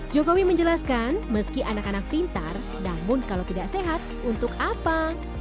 jokowi menjelaskan meski anak anak pintar namun kalau tidak sehat untuk apa